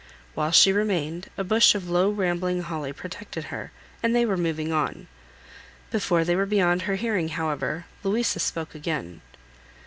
While she remained, a bush of low rambling holly protected her, and they were moving on. Before they were beyond her hearing, however, Louisa spoke again.